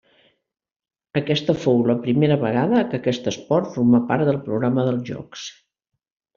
Aquesta fou la primera vegada que aquest esport formà part del programa dels Jocs.